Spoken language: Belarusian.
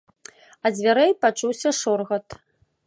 Ад дзвярэй пачуўся шоргат.